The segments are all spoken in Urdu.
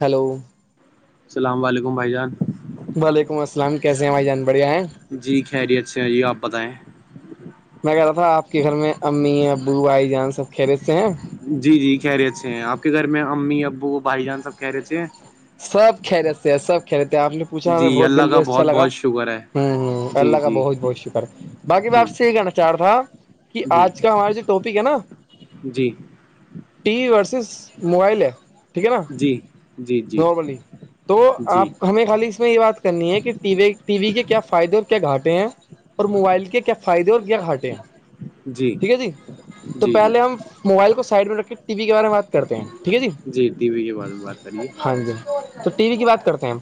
ہیلو السلام علیکم بھائی جان وعلیکم السلام کییسے ہیں ہمائی جان بڑھیا ہیں جی خیریت سے جی آپ بتائیں میں کہہ رہا تھا آپ کے گھر میں امی ابو بھائی جان سب خیریت سے ہیں جی جی خیریت سے ہیں آپ کے گھر میں امی ابو بھائی جان سب خیریت سے ہیں سب خیریت سے ہیں سب خیریت آپ پ نے پوچھا ہمیں جی بہت اللہ دل کے کا اچھا بہت لگا بہت شکر ہے ہوں ہ اللہ جی کا جی بہت بہت شکر ہے باقی میں ہ آپ سے یہ کہنا چاہ رہا تھا کہ جی آج کا ہمارے جو ٹاپک ہے نا جی ٹی وی ورسز موبائل ہے ٹھیک ہے نا جی جی جی نارملی تو جی آپ ہمیں خالی میں یہ بات کرنی ہے کہ ٹی وی کے کیا فائدے اور کیا گھاٹے ہیں اور موبائل کے کیا فائدے اور کیا گھٹے ہیں ٹھیک ہے جی تو جی جی پہلے ہم موبائل کو سائڈ میں رکھ کے ٹی وی کے بارے میں بات کرتے ہیں ٹھیک ہے جی ٹی وی کے بارے میں بات کریے ہاں جی تو ٹی وی کی بات کرتے ہیں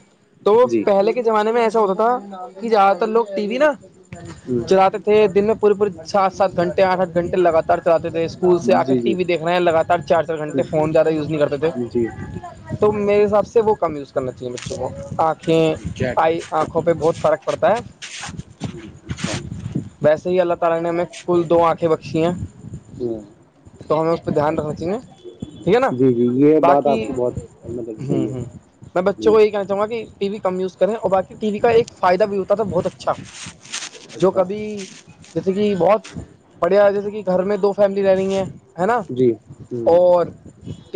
تو جی پہلے کے زمانے میں ایسا ہوتا تھا کہ زیادہ تر لوگ ٹی وی نا ہ جد تر دن میں پوری پوری سات سات گھنٹے آٹ آٹھ گھنٹے لگاتار چلے تھے اسکول سے آ کے جی ٹی جی وی دیکھے ہیں لگاتار چار چار گھنٹے فون زیادہ یوز نہیں کرتےے جی تو میرے حساب سے وہ کم یوز کرنا چاہیے بچوں کو آ کھیں کیا آئی آنکھوں پہ بہت فرق پڑتا ہے اچھا ویسے اللہ تعالی نے ہمیں کل دو آنکھیں بخشی ہے ہوں تو ہمیں اس پہ دھیان رکھنا چاہ نا ٹھیک ہے نا جی جی یہ بات باقی آپ کی بہت مطلب ہ صحیح ہے ہ میں بچوں جی کو یہی کہنا جاں ٹی وی کم یوز کریں اور باقی ٹی وی کا ایک فائدہ بھی ہوتا تھا بہت اچھا جو اچھا کبھی جیسے کہ بہت بڑھیا جیسے کہ گھر میں دو فیملی رہ رہی ہے ہے نا جی ہ ہ اور ٹ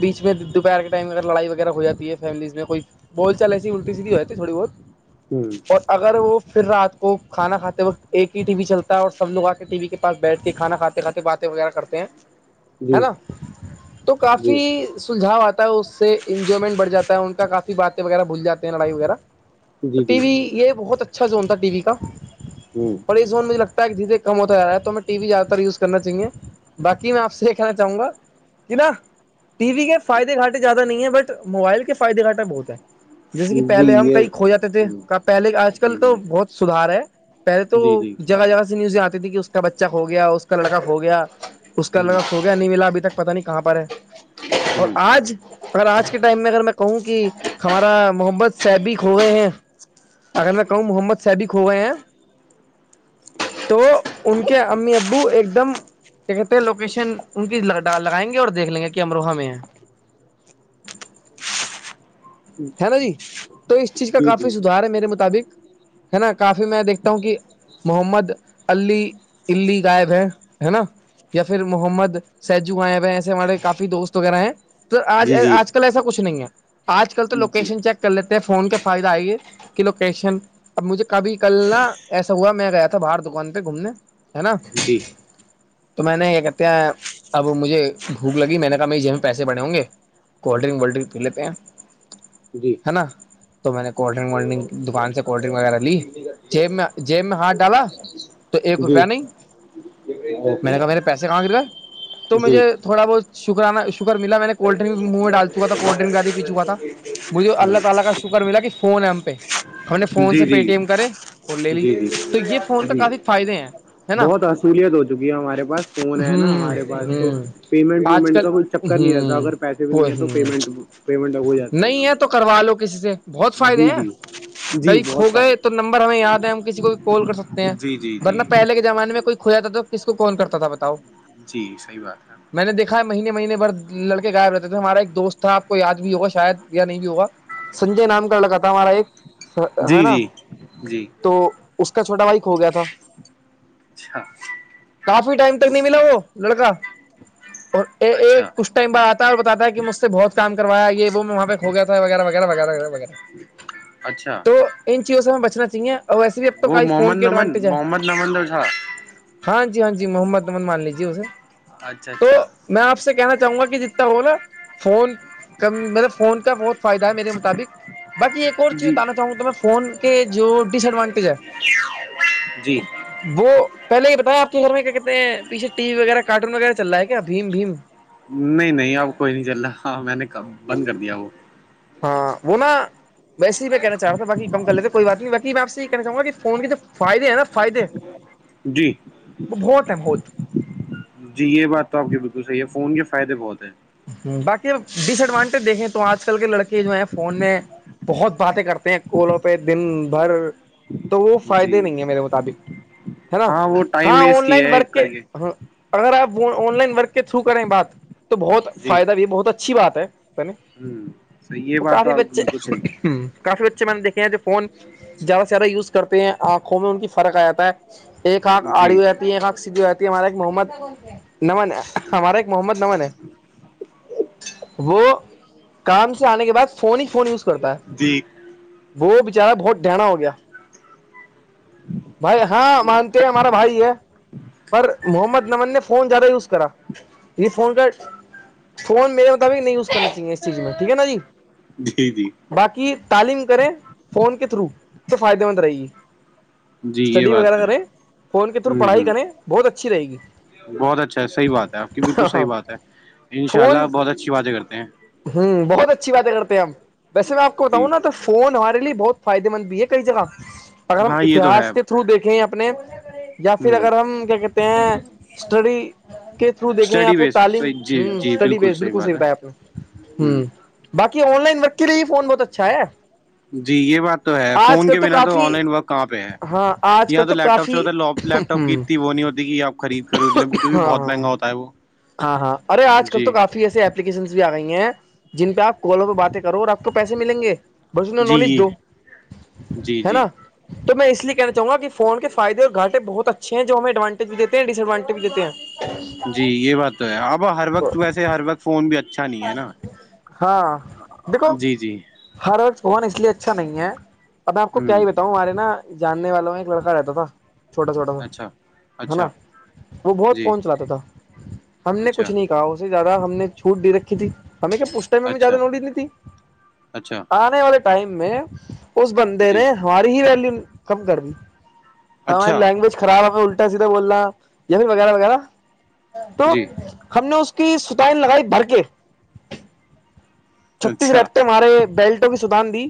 بیچ میں دوپہر کے ٹائم میں اگر لڑائی وغیرہ ہو جاتی ہے فیملیز میں کوئی بول چال ایسی الٹی سیدھی ہوئے تھوڑی بہت جی اور اگر وہ پھر رات کو کھانا کھاتے وقت ایک ہی ٹی وی چلتا ہے اور سب سب لوگ کے ٹی وی کے پس بیٹھ کے کھانا کھاتے کھاتے باتیں وغیرہ کرتے ہیں ہے نا جی تو کافی سلجھاؤ آتا اس سے انجوائمنٹ بڑ جاتا ہے ان کافی باتیں وغیرہ بھول جات ہیں لڑائی وغیرہ تو جی جی ٹی وی یہ بہت اچھا زون تھا ٹی وی کا ہوں اور یہ زون مجھے لگتا ساری چیزیں کم ہوتی جا رہی ہے تو میں ٹی وی زیاد تر یوز کرنا چاہیے بقی میں آپ سے کیا چاہوں گا کہ نا ٹی وی کے فائدے گھٹے زیادہ نہیں ہے بٹ موبائل کے فائدے گھٹا بہت ہے جیسے کہ جی پہلے ہم یہ کئی کھو جاتے تھے ہوں پہلے آج جی کل جی تو بہت سدار ہے پہلے تو جی جی جگہ جگہ نیوز آتی تھی کہ اس کا بچہ کھو گیا اس کا لڑکا کھو گیا اس کا ہوں لڑکا س نہیں ملا ابھی تک پتا نہیں کہاں پر ہے اور ہوں آج مگر آج کے ٹائم میں اگر میں کہوں کہ ہمارا محمد صاحب کھو گئے ہیں اگر میں کہوں محمد صیبق ہو گئے ہیں تو ان کے امی ابو ایک دم کیا کہتے ہیں لوکیشن ان کی لگائیں گے اور دیکھ لیں گے کہ امروہ میں ہے ہے نا جی تو اس چیز کا جی جی کافی سدھار ہے میرے مطابق ہے نا کافی میں دیکھتا ہوں کہ محمد علی علی غائب ہیں ہے نا یا پھر محمد سیجو آئے ہوئے ایسے ہمارے کافی دوست وغیرہ ہیں تو آج جی جی جی آج کل ایسا کچھ نہیں ہے آج کل تو لوکیشن چیک کر لیتے ہیں فون کے فائدہ آئےے کہ لوکیشن اب مجھے کبھی کل نا ایسا ہوا میں گیا تھا باہر دکان پہ گھومنے ہے نا جی جی تو میں نے یہ کہتے ہیں اب مجھے بھوک لگی میں نے کہا می جی میں پسے بڑے ہوں گے کولڈ ڈرن ووللڈرن پے لیتے ہیں جی ہے نا تو میں نے کولڈ ڈرنگ وڈرنگ دکان سے کولڈ ڈرنک وغیرہ لی جیب میں جیب میں ہاتھ ڈالا تو ایک جی جی روپیہ نہیں میں نے کہا میرے پیسے کم کر گ تو مجھے تھوڑا بہت شکرانہ شر شک ملا میں نے کولڈ ڈرک منہ میں ڈال چکا تھا کوڈ ڈرک کاد پی چکا تھا مجھے ہاں اللہ تعالی کا شکر ملا کہ فون ہے ہم پہ ہم نے فون جی سے جی پے ٹی ایم کرے اور لے لی جی جی تو یہ فون کا جی کافی فائدے ہیں ہے نا بہت اصولیت ہو چکی ہے ہمارے پاس فون ہے نا ہوں ہمارے پاس تو ہوں پیمنٹ آج وومنٹ کل کا کوئی چکر نہیں رہتا ہوں اگر پیسے بھی کو نہیں ہے تو ہ پیمنٹ پیمنٹ ہو جاتی ہے نہیں آرام تو سے کروا لو کسی سے بہت فائدے جی ہیں جی جی کئی بہت کو گئے فائدہ تو نمبر ہمیں یاد ہے ہم کسی کو بھی کال کر سکتے ہیں جی جی جی ورنہ پہلے کے زمانے میں کوئی کھویا تھا تو کس کون کرتا تھا بتاؤ جی صحی بات ہے میں نے دیکھا ہے مہینے مہینے بھر لڑکے غائب رہتے تھے ہمارا ایک دوست تھا آپ کو یاد بھی ہوگا شاید یا نہیں بھی ہوگا سنجے نام لڑکا تھا ہمارا ایک جی ہے نا جی جی تو اس کا چھوٹا بھائی کھو گیا تھا اچھا کافی ٹائم تک نہیں ملا وہ لڑکا اور اچھا ایک کچھ ٹائم بعد آتا ہے اور بتاتا ہے کہ مجھ سے بہت کام کرایا یہ وہ وہاں پہ ہو گیا تھا ہے وغیرہ وغیرہ وغیرہ وغہ وغیرہ اچھا تو ان چیزوں سے ہم بچنا چاہیے اور ویسے بھی اب تو وہ کئی محمد فون کی نمن ایڈوانٹیج ہے محمد نمن جو تھا ہاں جی ہاں جی محمد مان لیجیے اسے اچھا تو اچھا میں آپ سے کہنا چاہوں گا کہ جتنا ہو نا فون کم مطلب فون کا بہت فائدہ ہے میرے مطابق باق ایک اور چیز جی بتانا چاہوں گا تو میں فون کے جو ڈس ایڈوانٹیج ک جی ج وہ پہلے یہ بتایا آپ کے گھر میں کیا کہتے ہیں پیچھے ٹی وی وغیرہ کارٹون وغیرہ چل رہا ہے کیا بھیم بھیم نہیں نہیں اب کوئی نہیں چل رہا ہاں میں نے بند کر دیا وہ ہاں وہ نا ویسے ہی میں کہنا چاہ رہا تھا باقی کم کر لیتے کوئی بات نہیں باقی میں آپ سے یہ کہنا چاہوں گا کہ فون کے تو فائدے ہیں نا فائدے جی وہ بہت ہیں بہت جی یہ بات تو آپ کے بالکل صحیح ہے فون کے فائدے بہت ہیں باقی ڈس ایڈوانٹیج دیکھیں تو آج کل کے لڑکے جو ہیں فون میں بہت باتیں کرتے ہیں کوولوں پہ دن بھر تو وہ جی فائدے نہیں ہے میرے مطابق ہے نا ہاں وہ ٹائم ہاں آن ویسٹ ہی لائن ہے ورک کے کر ہاں اگر آپ آن لائن ورک کے تھرو کریں بات تو بہت جی فائدہ بھی ہے بہت اچھی بات ہے ہوں صحیح یہ وہ بات تو کافی آپ کی بچے بالکل صحیح کافی بچے میں نے دیکھے ہیں جو فون زیادہ سے زیادہ یوز کرتے ہیں آنکھوں میں ان کی فرق آ جاتا ہے ایک آنکھ آڑی جی ہو آتی ہے ایک آنکھ سیدھی ہو جاتی ہے ہمارا ایک محمد نمن ہمارا ایک محمد نمن ہے وہ کام سے آنے کے بعد فون ہی فون یوز کرتا ہے جی وہ بچارا بہت ڈہنا ہو گیا بھائی ہاں مانتے ہیں ہمارا بھائی ہے پر محمد نمن نے فون زیادہ یوز کرا یہ فون کا فون میرے مطابق نہیں یوز کرنا چاہیے اس چیز میں ٹھیک ہے نا جی جی جی باقی تعلیم کریں فون کے تھرو تو فائدے مند رہے گی جی یہ اسٹڈی بات وغیرہ ہے کریں فون کے تھرو ہوں پڑھائی ہوں کریں بہت اچھی رہے گی بہت اچھا ہے صحیح بات ہے آپ کی بالکل صحیح ہاں بات ہے ان شاء اللہ فون بہت اچھی باتیں کرتے ہیں ہوں بہت اچھی بات کرتے ہیں ہم ویسے میں آپ کو جی بتاؤں نا تو فون ہمارے لیے بہت فائدے مند بھی ہے کئی جگہ اگر ہم ہاں یہ تو ہے اتہاس کے تھرو دیکھیں اپنے یا پھر ہوں اگر ہم کیا کہتے ہیں اسٹڈی کے تھرو دیکیں یا اسٹڈی پھر بیسس تعلیم جی جی اسٹڈی بیس بالکل صحیح بات ہے بتیا آپ نے ہ باقی آن لائن ورک کے لئے فون بہت اچھا ہے جی یہ بات تو ہے آج فون کل کے بنا تو کافی آن لائن ورک کہاں پہ ہے ہاں آج کل یا تو لیپٹاپ سے کافی ہوتا ہے لیپٹاپ ہاں کی اتنی وہ نہیں ہوتی کہ آپ خرید خرود لیں کیونکہ ہاں بہت مہنگا ہوتا ہے وہ ہاں ہاں ارے آج کل جی تو کافی ایسے ایپلیکیشنس بھی آ گئی ہیں جن پہ آپ کالوں پہ باتیں کرو اور آپ کو پیسے ملیں گے [inaudible] جی جی جی جی تو میں اس لیے کہنا چاہوں گا کہ فون کے فائدے اور گھاٹیں بہت اچھے ہیں جو ہم اڈوانٹیج دیتے ہیں ڈسڈوانٹیج دیتے ہیں جی یہ بات تو ہے اب ہر وقت ویسے ہر وقت فون بھی اچھا نہیں ہے نا ہاں دیکھو جی جی ہر وقت فون اس لیے اچھا نہیں ہے اب میں آپ کو کیا ہوں ہی بتاؤں ہمارے نا جاننے والوں میں ایک لڑکا رہتا تھا چھوٹا چھوٹا تھا اچھا ہے نا اچھا وہ بہت جی فون چلاتا تھا ہم نے اچھا کچھ نہیں کہا اسے زیادہ ہم نے چھوٹ د رکھی تھی ہمیں کیا پوچھ میں زیادہ اچھا نوٹ نہیں تھی اچھا آنے والے ٹائم میں اس بندے جی نے ہماری ہی ویلو کم کرنی ہماری اچھا لینگویج خراب الٹا سیدھا بولنا یا وغیرہ وغیرہ تو جی ہم نے اس کی ستاائن لگائی بھر کے چھتیس اچھا گڑھ ت ہمارے بیلٹوں کی سدان دی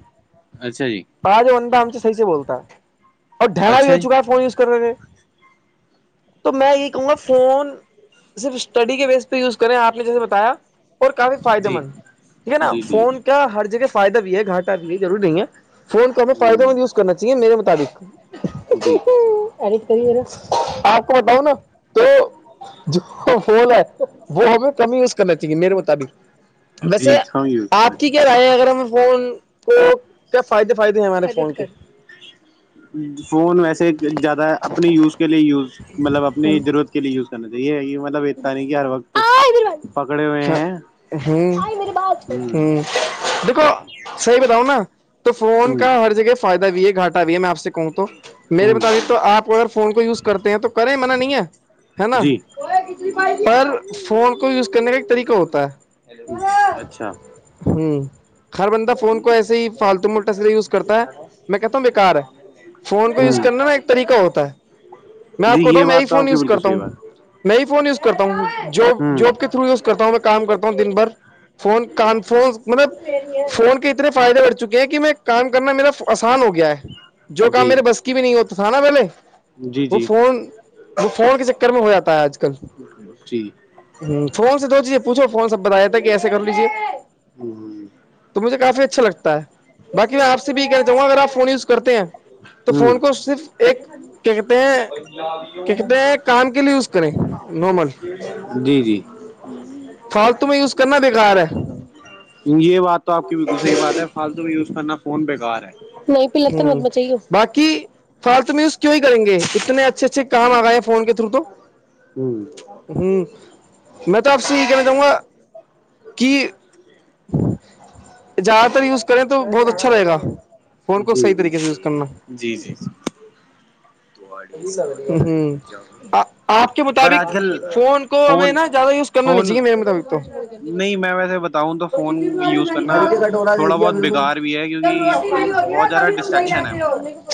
اچھا جی پا جو انڈا ہم سے صحیح سے بولتا ہے اور اچھا ڈھرا بھی ہو جی چکا ہے فون یوز کرنے میں تو میں یہی کہوں گا فون صرف اسٹڈی کے بیس پہ یوز کریں اچھا آپ نے جی جیسے بتایا کافی فائدے جی مند ٹھیک ہے نا جی جی فون کا ہر جگہ فائدہ بھی ہے گھاٹ بھی ہے ضرور نہیں ہے فون کا وہ فائدہ مند یوز ہ کرنا چاہیے میرے مطابق جی ایڈٹ کریے نا آپ کو بتاؤ نا تو جو فول ہے وہ ہمیں کم یوز کرنا چاہیے میرے مطابق ویسے جی ہاں آپ کی کیا یوز رائے اگر ہم فون کو کیا فائدے فائدے ہیں ہمارے فون کے فون ویسے زیادہ اپنے یوز کے لیے یوز مطلب اپنی ضرورت کے لیے یوز کرنا چاہیے کہ مطلب اتنا نہیں کہ ہر وقت پکڑے ہوئے ہ ہیں ہوں ہ ہ دیکھو صحیح بتاؤ نا تو فون ہ کا ہر جگہہ فائدہ بھی ہے گاٹا بھی ہے میں آپ سے کہوں تو ہ میرے مطابق ہ تو آپ اگر فون کو یوز کرتے ہیں تو کریں من نہیں ہے ہے نا جی جی پر فون کو یوز کرنے کا ایک طریقہ ہوتا ہے اچھا ہوں ہر بندہ ہ فون کو ایسے ہی فالتو میں اولٹا سیدا یوز کرتا ہے میں کہتا ہوں بےیکار ہے فون کو یوز کرنا نا ایک طریقہ ہوتا ہے میں آپ جی کوتاؤ یہ میں ہی بات تو فون آپ کی یوز بالکل کرتا صحیح ہوں بات میں ہی فون یوز کرتا ہوں جب ہ جب کے تھرو یوز کرتا ہوں میں کام کرتا ہوں دن بھر فون کان فون مطلب فون کے اتنے فائدے اٹھ چکے ہیں کہ میں کام کرنا میرا آسان ہو گیا ہے جو کام جی میرے بس کی بھی نہیں ہوتا تھا نا پہلے جی وہ جی فون وہ فون کے چکر میں ہو جآ ہے آج کل جی ہ فون سے تو چیزیں پوچھو فون سے بتایا تھا کہ ایسے کر لیجیے ہ تو مجھے کافی اچھا لگتا ہے باقی میں آپ سے بھی یہ کہنا چاہوں گا اگر آپ فون یوز کرتے ہیں تو ہ فون کو صرف ایک کیا کہتے ہیں کیا کہتے ہیں کام کے لیے یوز کریں نارمل جی جی فالتو میں یوز کرنا بےکار ہے یہ بات تو آپ کی بلکل صحع بات ہے فالتو بھی یوز کرنا فون بیکار ہے نہیں پل تو م چاہیے باقی فالتو میںز کیوں ہی کریں گے اتنے اچھے اچھے کام آگئے ہیں فون کے تھرو تو ہوں ہوں میں تو آپ سے یہ کہنا چاہوں گا کہ [inaudible] زیادہ تر یوز کریں تو بہت اچھا رہے گا فون کو جی صحیح طریقے جی سے یوز کرنا جی جی [inaudible] ہ آپ کے پر مطابق آج کل فون کو ہمیں فون نا زیادہ یوز کرنا نہیں فون سے میرے مطاببق تو نہیں میں ویسے بتا تو فون جب یوز کرنا تھوڑا بہت بیکار بھی ہے روٹی کیونکہ نہیں ہوتی نا بہت زیادہ تبھی تم صحیح ڈسٹریکشن ہے رہتے وہ ہو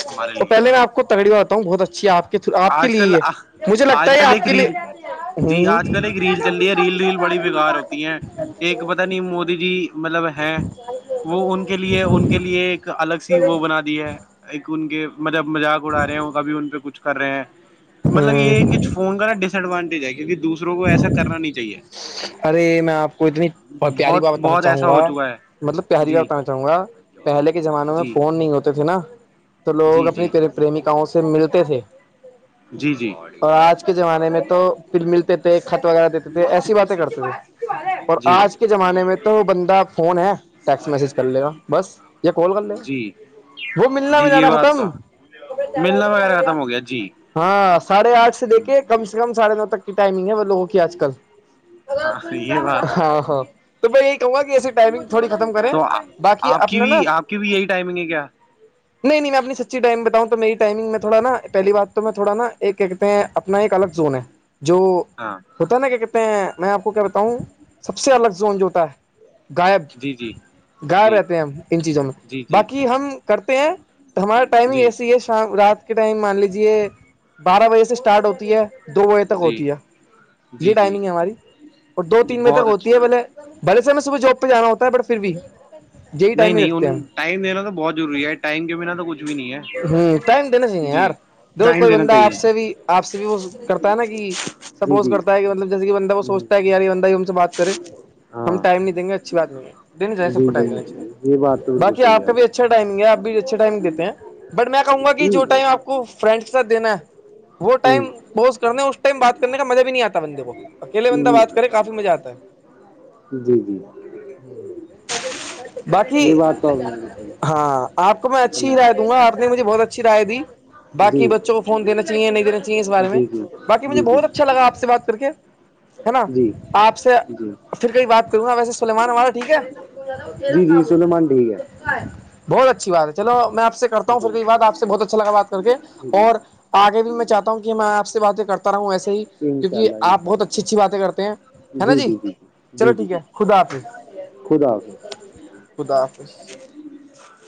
ہمارے تو لیے پہلے میں آپ کو تگڑی بات بتاؤں بہت اچھی ہے آپ کے آپ کے آج لیے کل ہی ہے مجھے لگتا آج ہے کل آپ ایک کے لیے ریل جی ہوں آج کل ایک ریل چل رہی ہے ریل ریل بڑی بےگار ہوتی ہے ایک پت نہیں مودی جی مطلب ہے وہ ان کے لیے ان کے لیے ایک الگ سی وہ بنا دی ہے ایک ان کے مطلب مذاق اڑا رہے ہیں کبھی ان پہ کچھ کر رہے ہیں مطلب یہ ہوں کچھ فون کا نا ڈس ایڈوانٹیج ہے کیونکہ دوسروں کو ایسا کرنا نہیں چاہیے ارے میں آپ کو اتنی پیاری بات بہت بتانا بہت چاہوں ایسا گا ہو چکا ہے مطلب پہلی بار جی کہنا چاہوں گا پہلے کے زمانے میں جی فون نہیں ہوتے تھے نا تو لوگ جی اپنی جی پریمکاؤں سے ملتے تھے جی جی اور آج کے زمانے میں تو پھر ملتے تھے خط وغیرہ دیتے تھے ایسی بات کرتے تھے اور جی آج کے زمانے میں تو بندہ فون ہے ٹیکسٹ میسج کر لے گا بس کال کر لو جی وہ ملنا جی یہ جانا بات ختم تو چل ملنا وغیرہ کرا ختم ہو گیا جی ہاں ساھے آٹھ سے دیکھے کم سے کم سڑھے نو تک کی ٹائمنگ ہے وہ لوگوں کی آج کل ہاں یہ بات تو ہے ہاں ہاں تو میں یہی کہوں گا کہ ایسی ٹائمنگ تھوڑی ختم کریں تو باقی آپ کی اپنا نا بھی آپ کی بھی یہی ٹائمنگ ہے کیا نہیں نہیں میں اپنی سچی ٹائم بتاؤں تو میری ٹائمنگ میں تھوا نا پہلی بات تو میں تھوڑا نا ایک کیا کہتے ہیں اپنا ایک الگ زون ہے جو ہاں ہوتا ہے نا کیا کہتے ہیں میں آپ کو کیا بتاؤوں سب سے الگ زون جو ہوتا ہے غائب جی جی گغائار جی رہتے ہیں ہم ان چیزوں میں جی جی باقی ہم کرتے ہیں ہمارا ٹائمنگ جی ایسی ہے شام رات کے ٹائم مان لیجے بارہ بجے سے اسٹارٹ ہوتی ہے دو بجے تک جی ہوتی ہے جی یہ جی ٹائمنگ ہے ہماری دو جی تین تک بہت ہوتی اچھی ہے بولے بات بھلے سےم میں صبح جاب پہ جانا ہوتا ہے بٹ پھر بھی یہی نہیں ٹائم ہی رکھتے نہیں ہیں ہم ٹائم دین تو بہت ضروری ہے ٹائم کے بنا تو کچھ بھی نہیں ہے ٹائم دنے چاہیے جی یار دیک ٹائم کوئی دینا بندہ آپ چاہیے سے بھی آپ سے بھی وہ کرتا ہے نا کہ جی سپوز جی کرتا ہے کہ مطل جیسے کہ بندہ وہ سوچتا ہے کہ یہ بندہ ہی ہم سے بات کرے ہم ہاں ٹائ نہیں دیں گے اچھی بات نہیں جسا جی کوٹے جی یہ بات تو بالکل باقی صحیح ہے آپ کا بھی اچھا ٹائمگ ہے آ بھی اچھا ٹائم دیتے ہیں بٹ میں کہوں گا کہ ہ جوٹا آپ کو فرینڈ کے ساتھ دینا ہے وہ ٹائم ہ بوز کرنا ہے اس ٹائم بات کرنے کا مزہ بھی نہیں آتا بندے کو اکیلے بندہ بات کرے کافی مزہ آتا ہے جی جی باقی یہ بات تو جی ہاں آپ کو میں اچھی ہی رائے آرنے مجھے بہت اچھی رائے دی بھای جی بچوں کو فون دیینا چاہیے نہیں دین چاہے اس بارے میں جی جی جی بقی مجھے جی بہت اچھا لگا سے بات کر کے ہے نا جی آپ سے جی پھر کیں بات کروں گا ویسے سلیمان ہمارا ٹھیک ہے جی جی سلیمان ٹھیک ہے بہت اچھی بات ہے چلو میں آپ سے کرتا جی ہوں پھر جی کئی بات آپ سے بہت اچھا لگا بات کر کے اور آگے بھی میں چاہتا ہوں کہ میں آپ سے باتیں کرتا رہا ہوں و ایسے ہی جی انشاء کیونکہ اللہ آ انشاء بہت اللہ اچھی اچھی باتیں کرتے ہیں ہے نا جی چلو ٹھیک ہے خدا حافظ خدا حافظ خدا حافظ